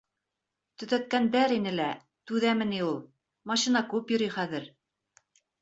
— Төҙәткәндәр ине лә, түҙәме ни ул. Машина күп йөрөй хәҙер.